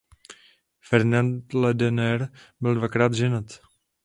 Ferdinand Lederer byl dvakrát ženat.